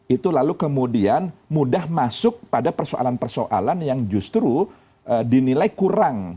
itu lalu kemudian mudah masuk pada persoalan persoalan yang justru dinilai kurang